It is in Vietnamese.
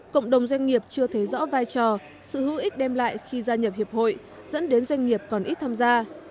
cộng đồng doanh nghiệp chưa thấy rõ vai trò sự hữu ích đem lại khi gia nhập hiệp hội dẫn đến doanh nghiệp còn ít tham gia